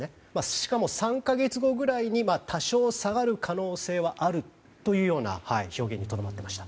しかも、３か月後くらいに多少下がる可能性はあるというような表現にとどまっていました。